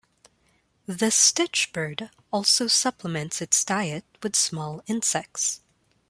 The stitchbird also supplements its diet with small insects.